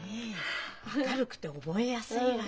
明るくて覚えやすいわよ。